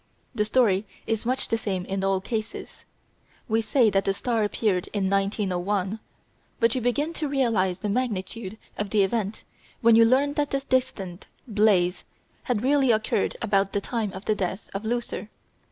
The story is much the same in all cases. We say that the star appeared in 1901, but you begin to realise the magnitude of the event when you learn that the distant "blaze" had really occurred about the time of the death of Luther!